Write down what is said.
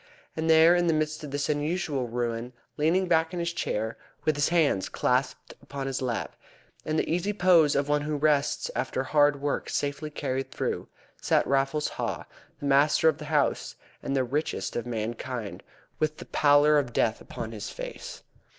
And there in the midst of this universal ruin, leaning back in his chair with his hands clasped upon his lap, and the easy pose of one who rests after hard work safely carried through, sat Raffles Haw, the master of the house, and the richest of mankind, with the pallor of death upon his face.